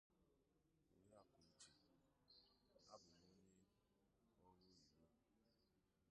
Oriakụ Uche: Abụ m onye ọrụ oyibo